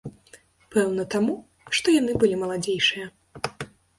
Пэўна, таму, што яны былі маладзейшыя.